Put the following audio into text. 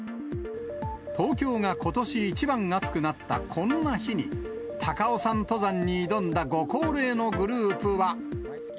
東京がことし一番暑くなったこんな日に、高尾山登山に挑んだご高齢のグループは。